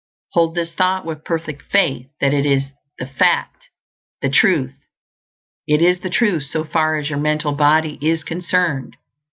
Hold this thought with perfect faith that it is the fact, the truth. It is the truth so far as your mental body is concerned.